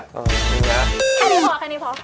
มึงนะ